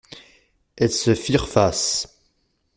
Elles se firent face.